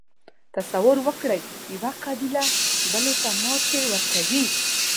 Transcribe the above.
تصور وکړئ یوه قبیله بلې ته ماتې ورکوي.